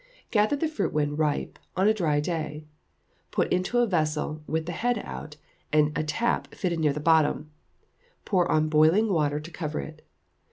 Gather the fruit when ripe, on a dry day. Put into a vessel, with the head out, and a tap fitted near the bottom; pour on boiling water to cover it.